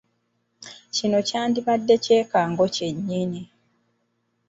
Kino kyandibadde kyekango kyennyini.